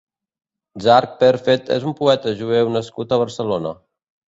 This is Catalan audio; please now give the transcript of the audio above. Zark Perfet és un poeta jueu nascut a Barcelona.